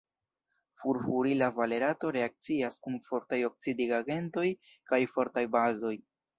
Furfurila valerato reakcias kun fortaj oksidigagentoj kaj fortaj bazoj.